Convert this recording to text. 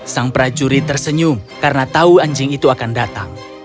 sang prajurit tersenyum karena tahu anjing itu akan datang